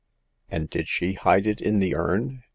" And did she hide it in the urn